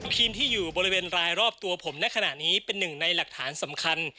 ทีมที่อยู่บริเวณรายรอบตัวผมในขณะนี้เป็นหนึ่งในหลักฐานสำคัญ